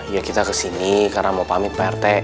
ya kita kesini karena mau pamit pak rt